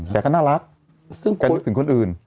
แกก็น่ารักแกนึกถึงคนอื่น